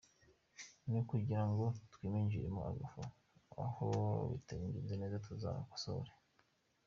Ni ukugira ngo twiminjiremo agafu aho bitagenze neza tuhakosore”.